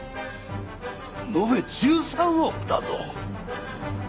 延べ１３億だぞ！